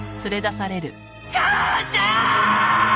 母ちゃーん！！